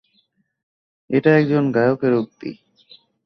এটা একজন গায়কের উক্তি।